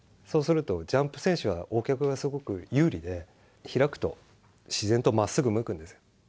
そうすると、ジャンプ選手はＯ脚がすごく有利で、開くと自然とまっすぐ向くんです。